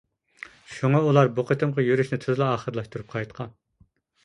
شۇڭا، ئۇلار بۇ قېتىمقى يۈرۈشنى تىزلا ئاخىرلاشتۇرۇپ قايتقان.